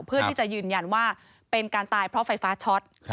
เพื่อที่จะยืนยันว่าเป็นการตายเพราะไฟฟ้าช็อต